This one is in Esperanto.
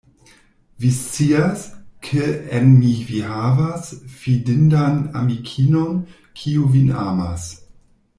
Vi scias, ke en mi vi havas fidindan amikinon, kiu vin amas.